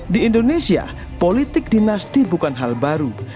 di indonesia politik dinasti bukan hal baru